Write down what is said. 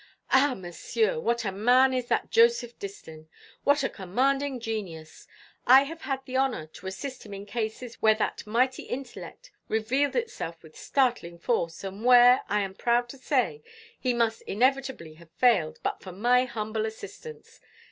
"Ah, Monsieur, what a man is that Joseph Distin! what a commanding genius! I have had the honour to assist him in cases where that mighty intellect revealed itself with startling force, and where, I am proud to say, he must inevitably have failed, but for my humble assistance.